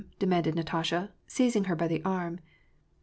" demanded Natasha, seizing her by the arm.